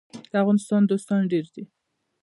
د افغانستان دوستان ډیر دي